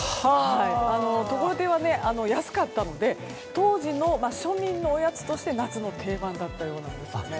ところてんは安かったので当時の庶民のおやつとして夏の定番だったようです。